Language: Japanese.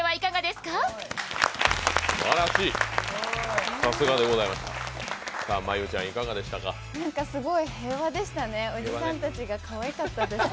すごい平和でしたね、おじさんたちがかわいかったです。